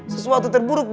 sesuatu terburuk beto